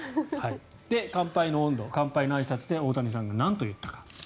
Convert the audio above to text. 乾杯の音頭、乾杯のあいさつで大谷さんがなんと言ったか。